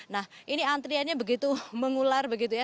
nah ini antriannya begitu mengular begitu ya